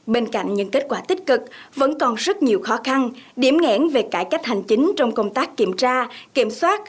bên cạnh những kết quả tích cực vẫn còn rất nhiều khó khăn điểm nghẽn về cải cách hành chính trong công tác kiểm tra kiểm soát